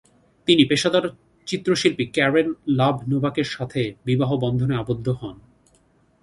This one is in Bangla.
তিনি পেশাদার চিত্রশিল্পী ক্যারেন লাব-নোভাকের সাথে বিবাহ বন্ধনে আবদ্ধ হন।